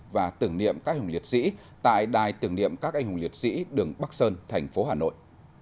và tưởng niệm các anh hùng liệt sĩ tại đài tưởng niệm các anh hùng liệt sĩ đường bắc sơn thành phố hà nội